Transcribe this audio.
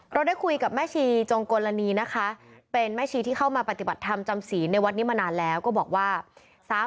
เราได้คุยกับแม่ชีจงกลณีนะคะเป็นแม่ชีที่เข้ามาปฏิบัติธรรมจำศีลในวัดนี้มานานแล้วก็บอกว่า